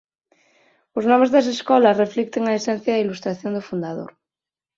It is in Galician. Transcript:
Os nomes das escolas reflicten a esencia da ilustración do fundador.